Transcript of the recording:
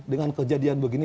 dengan kejadian begini